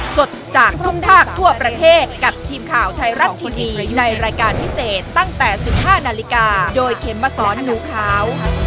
สดจากทุ่งทากทั่วประเทศกับทีมข่าวไทยรัฐทีวีในรายการพิเศษตั้งแต่๑๕นาฬิกาโดยเข็มมาสอนหนูขาว